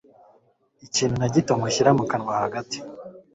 ikintu na gito mushyira mu kanwa hagati